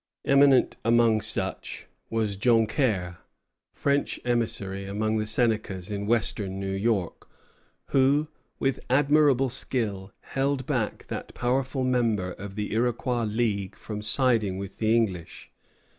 Eminent among such was Joncaire, French emissary among the Senecas in western New York, who, with admirable skill, held back that powerful member of the Iroquois league from siding with the English.